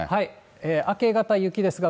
明け方雪ですが。